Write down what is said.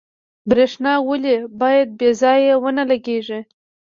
برښنا ولې باید بې ځایه ونه لګیږي؟